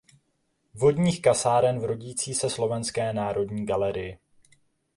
Vodních kasáren v rodící se Slovenské národní galerii.